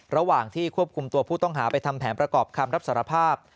ระหว่างที่ควบคุมตัวผู้ต้องหาไปทำแผนประกอบคำรับสารภาพ